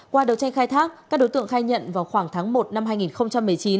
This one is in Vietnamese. qua đấu tranh khai thác các đối tượng khai nhận vào khoảng tháng một năm hai nghìn một mươi chín